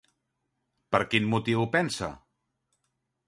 Per quin motiu ho pensa?